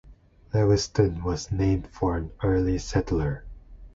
Lewiston was named for an early settler.